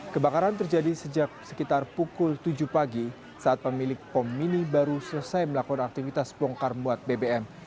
kebakaran terjadi sejak sekitar pukul tujuh pagi saat pemilik pom mini baru selesai melakukan aktivitas bongkar muat bbm